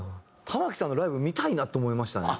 玉置さんのライブ見たいなと思いましたね。